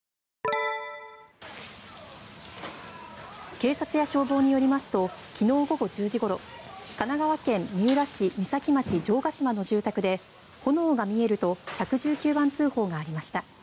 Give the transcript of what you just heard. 警察や消防によりますと昨日午後１０時ごろ神奈川県三浦市三崎町城ケ島の住宅で炎が見えると１１９番通報がありました。